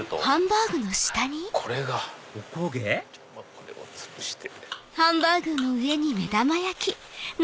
これをつぶして。